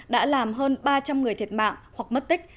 đã làm hơn ba trăm linh người thiệt mạng hoặc mất tích